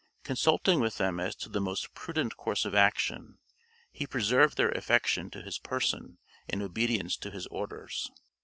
Consulting with them as to the most prudent course of action, he preserved their affection to his person and obedience to his orders.